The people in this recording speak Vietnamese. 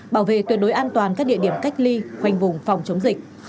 bảo vệ tuyệt đối an toàn các địa điểm cách ly khoanh vùng phòng chống dịch